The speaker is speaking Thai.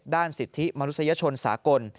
สิทธิมนุษยชนสากล